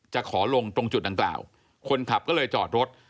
จะขอลงตรงจุดดังกล่าวคนขับก็เลยจอดรถ